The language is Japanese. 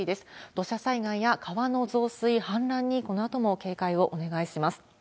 土砂災害や川の増水、氾濫にこのあとも警戒をお願いします。